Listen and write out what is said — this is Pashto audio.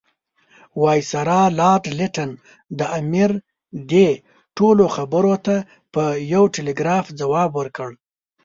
وایسرا لارډ لیټن د امیر دې ټولو خبرو ته په یو ټلګراف ځواب ورکړ.